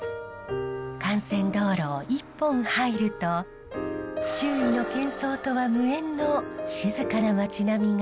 幹線道路を１本入ると周囲の喧騒とは無縁の静かな町並みが現れます。